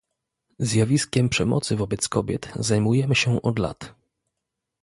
Zjawiskiem przemocy wobec kobiet zajmujemy się od lat